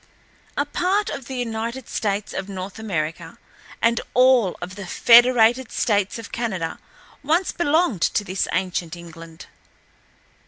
A part of the United States of North America and all of the Federated States of Canada once belonged to this ancient England."